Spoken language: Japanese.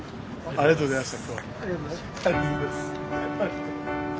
ありがとうございます。